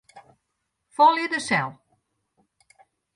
Folje de sel.